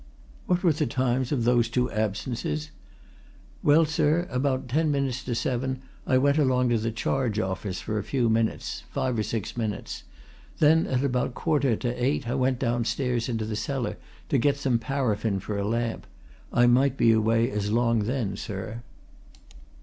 "What were the times of those two absences?" "Well, sir, about ten minutes to seven I went along to the charge office for a few minutes five or six minutes. Then at about a quarter to eight I went downstairs into the cellar to get some paraffin for a lamp I might be away as long, then, sir."